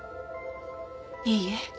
いいえ。